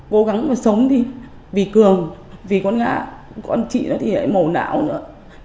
cố gắng mà sống đi vì cường vì con nga con chị nó thì lại mồ não nữa